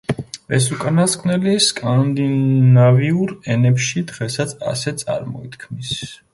ეს უკანასკნელი სკანდინავიურ ენებში დღესაც ასე წარმოითქმის.